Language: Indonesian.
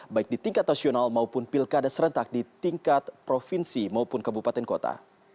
baik di tingkat nasional maupun pilkada serentak di tingkat provinsi maupun kabupaten kota